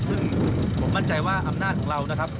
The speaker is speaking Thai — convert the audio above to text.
ซึ่งผมมั่นใจว่าอำนาจของเรานะครับ